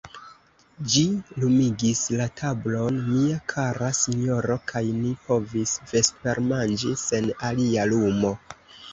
Ĝi lumigis la tablon, mia kara sinjoro, kaj ni povis vespermanĝi sen alia lumo.